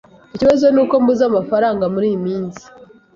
Ikibazo nuko mbuze amafaranga muriyi minsi.